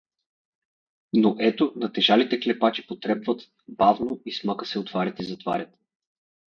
Но ето натежалите клепачи потрепват, бавно и с мъка се отварят и затварят.